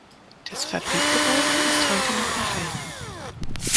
Das Fabrikgebäude ist heute noch erhalten.